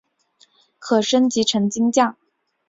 可升级成金将。